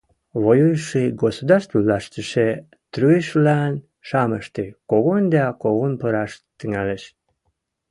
Иктӹ-весӹштӹ доно воюйышы государствывлӓштӹшӹ труйышывлӓн шамышты когон дӓ когон пыраш тӹнгӓлеш.